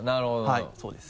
はいそうです。